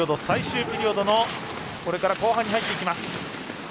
最終ピリオドのこれから後半に入っていきます。